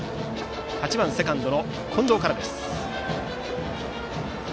８番セカンド、近藤大斗からです。